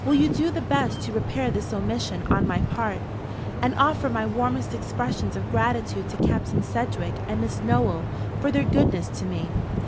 Will you do the best to repair this omission on my part, and offer my warmest expressions of gratitude to Captain Sedgewick and Miss Nowell for their goodness to me?